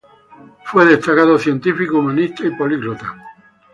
Fue destacado científico, humanista y políglota.